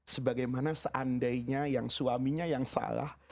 sebagaimana seandainya yang suaminya yang salah